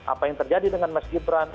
apa yang terjadi dengan mas gibran